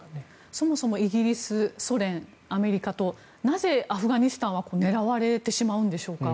そもそもイギリス、ソ連アメリカとなぜアフガニスタンは狙われてしまうんでしょうか？